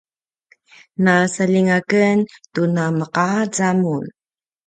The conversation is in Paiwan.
na saljinga ken tu na meqaca mun